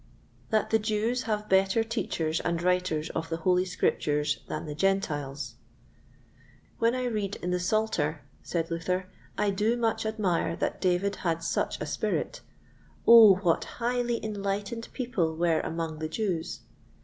That the Jews have better Teachers and Writers of the Holy Scriptures than the Gentiles. When I read in the Psalter, said Luther, I do much admire that David had such a spirit. Oh, what high enlightened people were among the Jews!